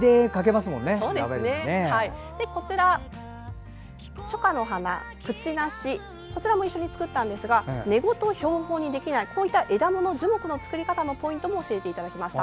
また、初夏の花クチナシも一緒に作ったんですが根ごと標本にできない枝ものや樹木の作り方のポイントも教えていただきました。